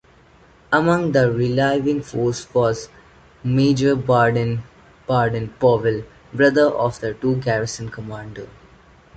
Among the relieving force was Major Baden Baden-Powell, brother of the town garrison commander.